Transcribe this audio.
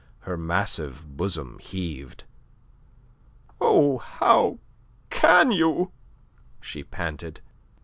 Her massive bosom heaved. "Oh, how can you?" she panted.